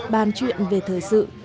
bàn chuyện về thời sự